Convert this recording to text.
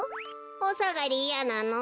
おさがりいやなの？